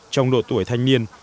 trong độ tuổi thanh niên